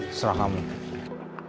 terserah kamu mau turkish yahtzee kok usually